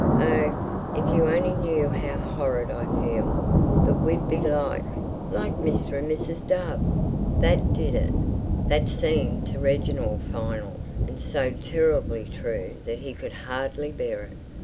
Oh, if you only knew how horrid I feel. But we'd be like... like Mr. and Mrs. Dove." That did it. That seemed to Reginald final, and so terribly true that he could hardly bear it.